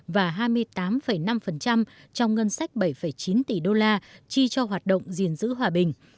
và hai mươi tám năm trong ngân sách bảy chín tỷ đô la chi cho hoạt động gìn giữ hòa bình